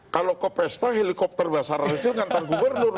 kalau ke pesta helikopter basarnas itu ngantar gubernur